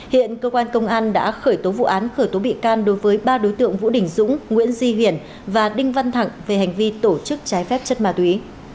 hiện cơ quan công an đã khởi tố vụ án khởi tố bị can đối với ba đối tượng vũ đình dũng nguyễn di hiển và đinh văn thẳng về hành vi tổ chức trái phép chất ma túy